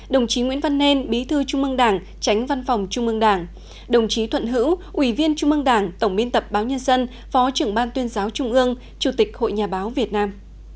đồng chí nguyễn văn nên bí thư trung mương đảng tránh văn phòng trung mương đảng đồng chí thuận hữu ủy viên trung mương đảng tổng biên tập báo nhân dân phó trưởng ban tuyên giáo trung ương chủ tịch hội nhà báo việt nam